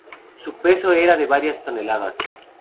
Su peso era de varias toneladas.